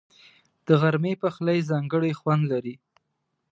د غرمې پخلی ځانګړی خوند لري